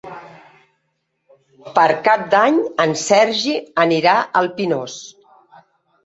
Per Cap d'Any en Sergi anirà al Pinós.